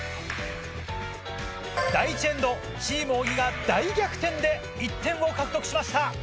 第１エンドチーム小木が大逆転で１点を獲得しました。